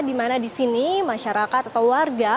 dimana disini masyarakat atau warga